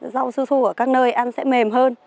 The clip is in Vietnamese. rau su su ở các nơi ăn sẽ mềm hơn